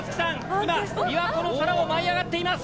今琵琶湖の空を舞い上がっています。